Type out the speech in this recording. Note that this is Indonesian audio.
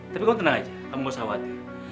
tapi kamu tenang aja kamu nggak usah khawatir